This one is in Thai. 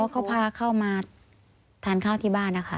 เขาพาเข้ามาทานข้าวที่บ้านนะคะ